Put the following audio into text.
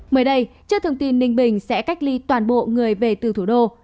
mới đây trước thông tin ninh bình sẽ cách ly toàn bộ người về từ thủ đô